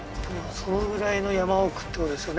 そのぐらいの山奥ってことですよね